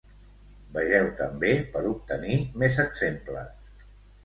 Vegeu també per obtenir més exemples.